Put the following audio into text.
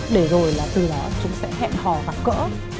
để rồi là từ đó chúng sẽ hẹn hò hoặc cỡ